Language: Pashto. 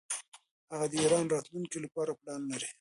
هغه د ایران د راتلونکي لپاره پلان لري.